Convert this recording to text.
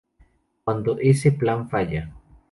Cuando ese plan falla.